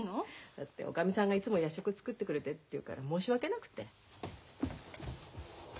だっておかみさんがいつも夜食作ってくれてるって言うから申し訳なくて。